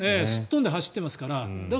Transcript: すっ飛んで走っていますから。